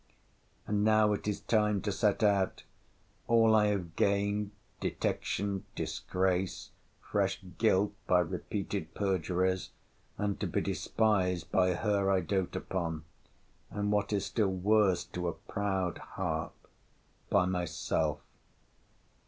And now it is time to set out: all I have gained, detection, disgrace, fresh guilt by repeated perjuries, and to be despised by her I doat upon; and, what is still worse to a proud heart, by myself.